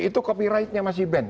itu copyrightnya masih ben